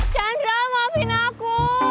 chandra maafin aku